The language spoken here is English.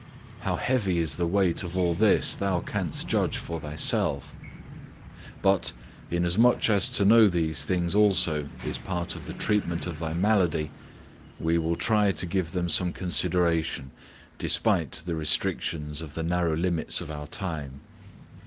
How heavy is the weight of all this thou canst judge for thyself. But, inasmuch as to know these things also is part of the treatment of thy malady, we will try to give them some consideration, despite the restrictions of the narrow limits of our time.